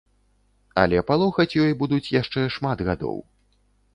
Але палохаць ёй будуць яшчэ шмат гадоў.